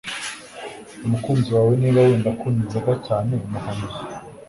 umukunzi wawe niba wenda akunda inzoga cyane muhane